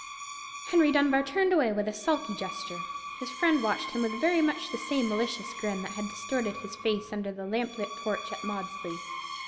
Henry Dunbar turned away with a sulky gesture. His friend watched him with very much the same malicious grin that had distorted his face under the lamp lit porch at Maudesley.